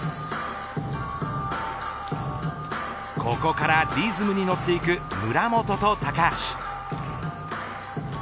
ここからリズムにのっていく村元と高橋。